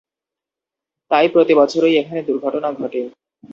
তাই প্রতি বছরই এখানে দুর্ঘটনা ঘটে।